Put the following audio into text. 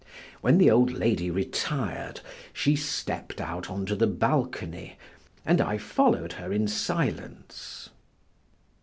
When the old lady retired, she stepped out on the balcony and I followed her in silence.